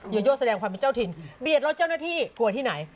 โยโยแสดงความเป็นเจ้าถิ่นเบียดรถเจ้าหน้าที่กลัวที่ไหน